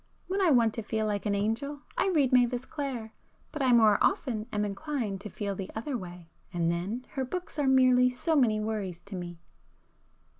When I want to feel like an angel, I read Mavis Clare,—but I more often am inclined to feel the other way, and then her books are merely so many worries to me."